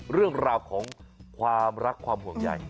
เรื่องราวของความรักความห่วงใหญ่